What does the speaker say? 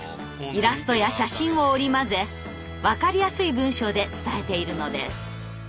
イラストや写真を織り交ぜわかりやすい文章で伝えているのです。